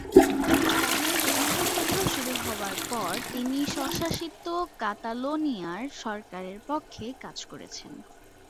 Spanish গৃহযুদ্ধ শুরু হবার পর তিনি স্বশাসিত কাতালোনিয়ার সরকার-এর পক্ষে কাজ করেন।